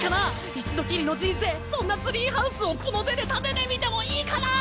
一度きりの人生そんなツリーハウスをこの手で建ててみてもいいかな